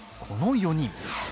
この４人。